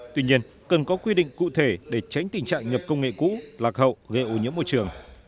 tuy nhiên cần có quy định cụ thể để tránh tình trạng nhập công nghệ cũ lạc hậu gây ổ nhiễm môi trường